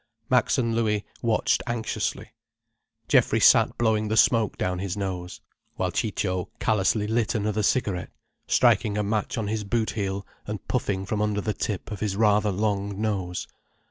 Max and Louis watched anxiously. Geoffrey sat blowing the smoke down his nose, while Ciccio callously lit another cigarette, striking a match on his boot heel and puffing from under the tip of his rather long nose.